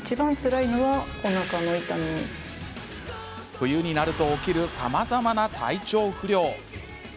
冬になると起きるさまざまな体調不良。